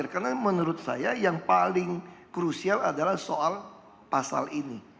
karena menurut saya yang paling krusial adalah soal pasal ini